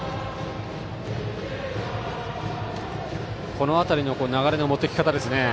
この辺りの流れの持っていき方ですね。